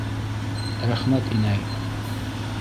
Рәхмәт, инәй.